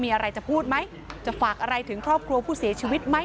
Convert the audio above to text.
มีอะไรจะพูดไหมจะฝากอะไรถึงครอบครัวผู้เสียชีวิตไหม